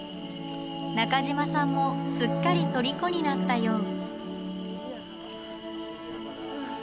中島さんもすっかりとりこになったよう。